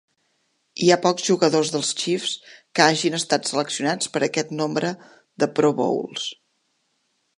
Hi ha pocs jugadors dels Chiefs que hagin estat seleccionats per a aquest nombre de Pro Bowls.